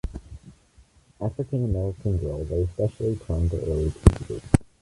African-American girls are especially prone to early puberty.